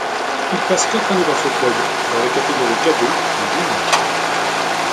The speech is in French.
Il passe quatre années dans ce club, dans les catégories cadet et junior.